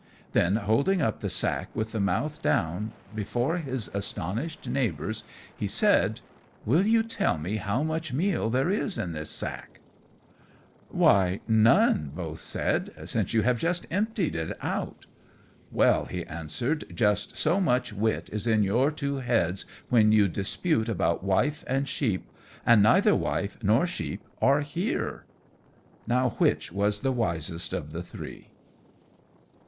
Then, holding up the sack with the mouth down, before his astonished neighbours, he said, "Will you tell me how much meal there is in this sack?" [Illustration: The Three Wise Gothamites.] "Why, none," both said, "since you have just emptied it out." "Well," he answered, "just so much wit is in your two heads when you dispute about wife and sheep, and neither wife nor sheep are here." Now which was the wisest of the three?